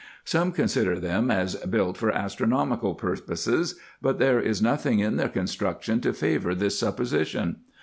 Some consider them as built for astronomical purposes, but there is nothing in their construction to favour this supposition.